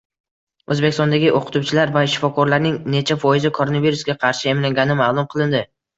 O‘zbekistondagi o‘qituvchilar va shifokorlarning necha foizi koronavirusga qarshi emlangani ma’lum qilindi